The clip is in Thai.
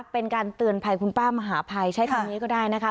เป็นการเตือนภัยคุณป้ามหาภัยใช้คำนี้ก็ได้นะคะ